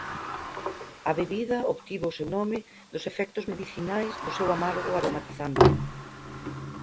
A bebida obtivo o seu nome dos efectos medicinais do seu amargo aromatizante.